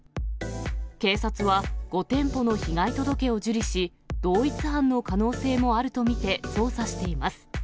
警察は、５店舗の被害届を受理し、同一犯の可能性もあると見て捜査しています。